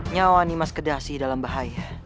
nyawani mas kedasi dalam bahaya